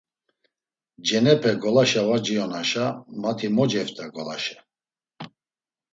Ncenepe ngolaşe var ciyonaşa mati mo ceft̆a ngolaşe.